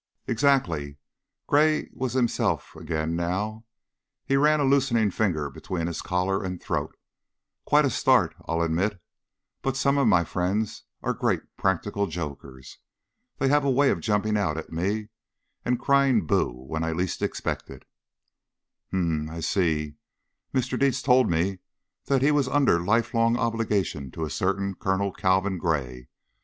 _" "Exactly!" Gray was himself again now. He ran a loosening finger between his collar and throat. "Quite a start, I'll admit, but some of my friends are great practical jokers. They have a way of jumping out at me and crying 'Boo!' when I least expect it." "Um m! I see. Mr. Dietz told me that he was under lifelong obligation to a certain Colonel Calvin Gray.